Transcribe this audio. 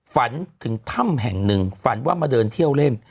ฝันถึงถ้ำแห่งหนึ่งฝันว่ามาเดินเที่ยวเล่น